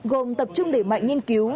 gồm tập trung để mạnh nghiên cứu